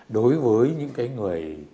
đối với những cái người